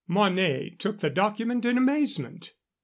Mornay took the document in amazement.